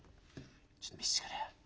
ちょっと見してくれよ。